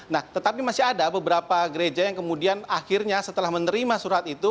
nah tetapi masih ada beberapa gereja yang kemudian akhirnya setelah menerima surat itu